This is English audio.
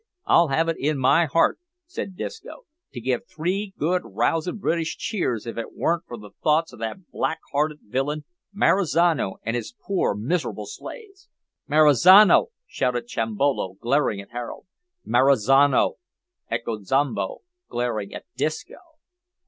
I'd have it in my heart," said Disco, "to give three good rousin' British cheers if it warn't for the thoughts o' that black hearted villain, Marizano, an' his poor, miserable slaves." "Marizano!" shouted Chimbolo, glaring at Harold. "Marizano!" echoed Zombo, glaring at Disco.